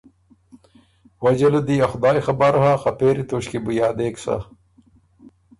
وجه له دی ا خدایٛ خبر هۀ خه پېری توݭکيې بو یادېک سَۀ۔